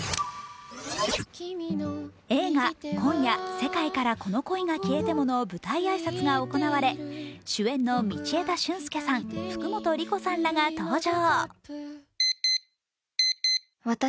映画「今夜、世界からこの恋が消えても」の舞台挨拶が行われ主演の道枝駿佑さん、福本莉子さんらが登場。